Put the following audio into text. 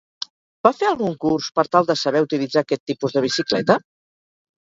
Va fer algun curs per tal de saber utilitzar aquest tipus de bicicleta?